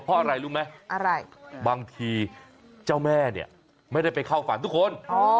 เพราะอะไรรู้ไหมอะไรบางทีเจ้าแม่เนี่ยไม่ได้ไปเข้าฝันทุกคน